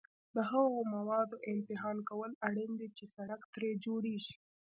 د هغو موادو امتحان کول اړین دي چې سړک ترې جوړیږي